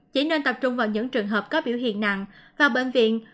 chỉ nên tập trung vào những trường hợp có biểu hiện nặng vào bệnh viện